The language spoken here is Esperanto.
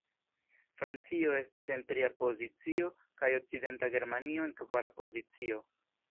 Francio estis en tria pozicio, kaj Okcidenta Germanio en kvara pozicio.